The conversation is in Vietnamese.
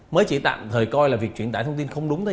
mới chỉ tạm thời coi là việc truyền tải thông tin không đúng thôi